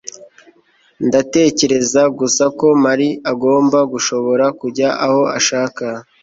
ndatekereza gusa ko kamali agomba gushobora kujya aho ashaka